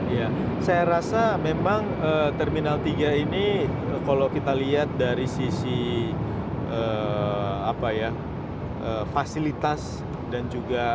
ya saya rasa memang terminal tiga ini kalau kita lihat dari sisi fasilitas dan juga